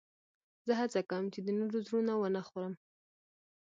زه هڅه کوم، چي د نورو زړونه و نه خورم.